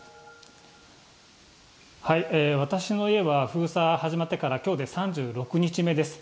私の家は封鎖始まってから、きょうで３６日目です。